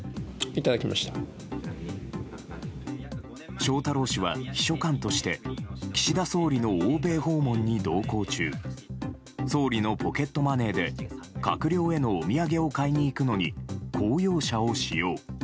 翔太郎氏は秘書官として岸田総理の欧米訪問に同行中総理のポケットマネーで閣僚へのお土産を買いに行くのに公用車を使用。